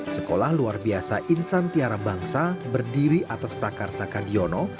sekolah luar biasa insantiara bangsa berdiri atas prakarsa kadiono